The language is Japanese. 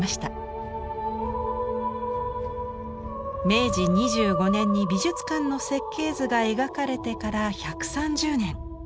明治２５年に美術館の設計図が描かれてから１３０年。